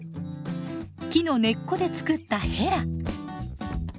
木の根っこで作ったヘラ。